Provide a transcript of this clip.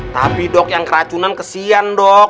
tapi dok yang keracunan kesian dok